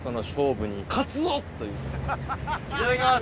いただきます！